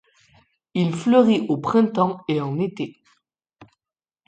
Il fleurit au printemps et en été.